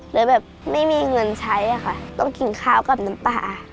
เลยแบบไม่มีเงินใช้ค่ะต้องกินข้าวกับน้ำปลา